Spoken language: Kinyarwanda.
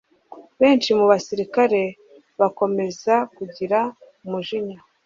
benshi mu basirikare bakomeza kugira umujinya